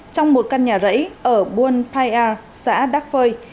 trong một căn nhà rẫy ở buôn pai a xã đắk phơi